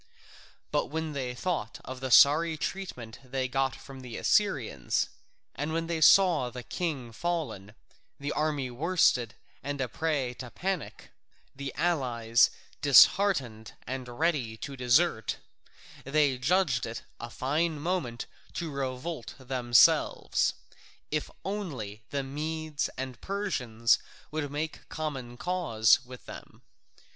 But when they thought of the sorry treatment they got from the Assyrians and when they saw the king fallen, the army worsted and a prey to panic, the allies disheartened and ready to desert, they judged it a fine moment to revolt themselves, if only the Medes and Persians would make common cause with them.